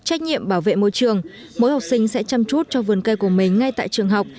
trách nhiệm bảo vệ môi trường mỗi học sinh sẽ chăm chút cho vườn cây của mình ngay tại trường học